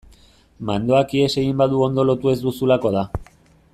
Mandoak ihes egin badu ondo lotu ez duzulako da.